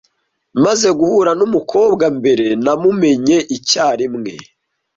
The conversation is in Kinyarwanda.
Maze guhura numukobwa mbere, namumenye icyarimwe.